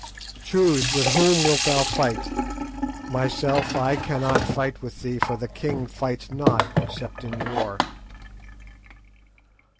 Choose—with whom wilt thou fight? Myself I cannot fight with thee, for the king fights not except in war."